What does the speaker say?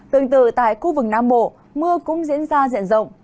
tương tự tại khu vực nam bộ mưa cũng diễn ra diện rộng